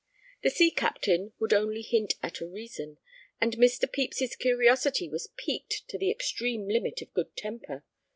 The sea captain would only hint at a reason, and Mr. Pepys's curiosity was piqued to the extreme limit of good temper.